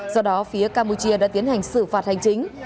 do đó phía campuchia đã tiến hành xử phạt hành chính